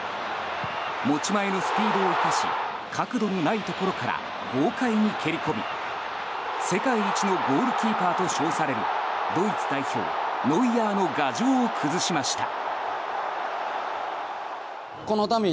持ち前のスピードを生かし角度のないところから豪快に蹴り込み世界一のゴールキーパーと称されるドイツ代表、ノイアーの牙城を崩しました。